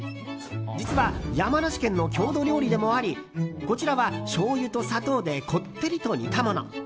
実は山梨県の郷土料理でもありこちらはしょうゆと砂糖でこってりと煮たもの。